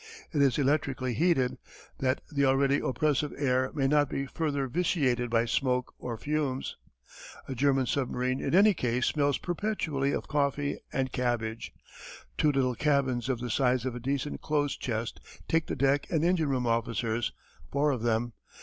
It is electrically heated, that the already oppressive air may not be further vitiated by smoke or fumes. A German submarine in any case smells perpetually of coffee and cabbage. Two little cabins of the size of a decent clothes chest take the deck and engine room officers, four of them.